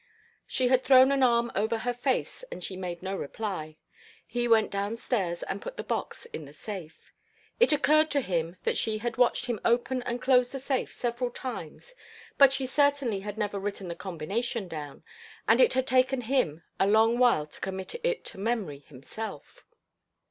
She had thrown an arm over her face and she made no reply. He went down stairs and put the box in the safe. It occurred to him that she had watched him open and close the safe several times but she certainly never had written the combination down, and it had taken him a long while to commit it to memory himself.